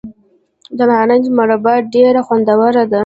د نارنج مربا ډیره خوندوره ده.